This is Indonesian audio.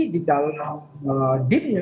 di dalam din